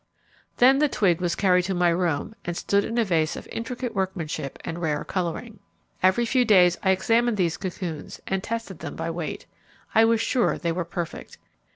Then the twig was carried to my room and stood in a vase of intricate workmanship and rare colouring. Every few days I examined those cocoons and tested them by weight. I was sure they were perfect.